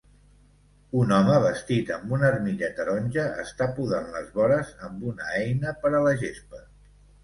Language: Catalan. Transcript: Un home, vestit amb una armilla taronja està podant les vores amb una eina per a la gespa.